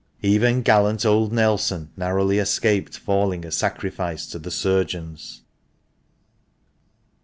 Even gallant old Nelson narrowly escaped falling a sacrifice to the surgeons.